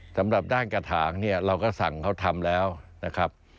สำหรับด้านกระถางเนี่ยเราก็สั่งเขาทำแล้วนะครับ